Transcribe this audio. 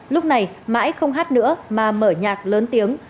lúc này mãi không hát nữa mà mở nhạc lớn tiếng